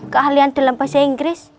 keahlian dalam bahasa inggris